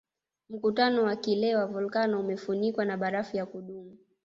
Mkutano wa kilee wa volkano umefunikwa na barafu ya kudumu